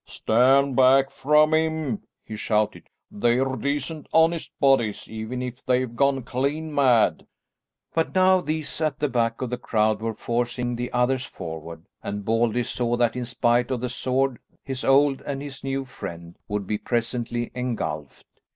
"Stand back from him," he shouted. "They're decent honest bodies, even if they've gone clean mad." But now these at the back of the crowd were forcing the others forward, and Baldy saw that in spite of the sword, his old and his new friend would be presently engulfed.